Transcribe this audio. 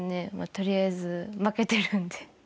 とりあえず負けてるので。